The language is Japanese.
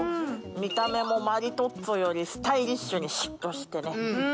見た目もマリトッツォよりスタイリッシュにシュッとしてね。